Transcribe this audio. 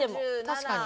確かに。